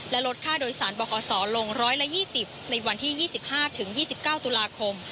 และลดค่าโดยศาลบอกขสอลง๑๒๐๐๐๐บาทในวันที่๒๕๒๙ตุลาคม